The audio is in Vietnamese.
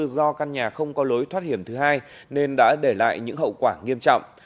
do căn nhà không có lối thoát hiểm thứ hai nên đã để lại những hậu quả nghiêm trọng